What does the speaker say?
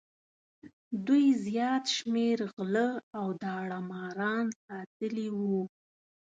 دوی زیات شمېر غله او داړه ماران ساتلي وو.